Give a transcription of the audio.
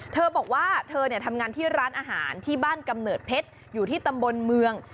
เธอบอกว่าเธอทำงานที่ร้านอาหารที่บ้านกำเนิดเพชรอยู่ที่ตำบลเมือง